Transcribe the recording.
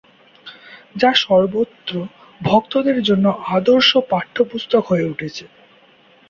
যা সর্বত্র ভক্তদের জন্য আদর্শ পাঠ্যপুস্তক হয়ে উঠেছে।